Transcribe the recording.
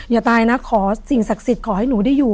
อย่าตายนะขอสิ่งศักดิ์สิทธิ์ขอให้หนูได้อยู่